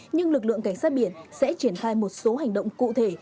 nhưng lực lượng cảnh sát biển sẽ triển khai một số hành động cụ thể